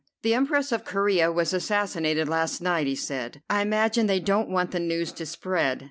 "The Empress of Corea was assassinated last night," he said. "I imagine they don't want the news to spread.